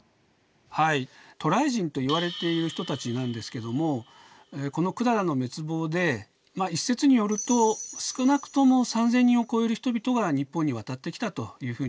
はい渡来人といわれている人たちなんですけどもこの百済の滅亡で一説によると少なくとも３，０００人を超える人々が日本に渡ってきたというふうにいわれています。